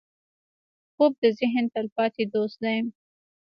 خوب د ذهن تلپاتې دوست دی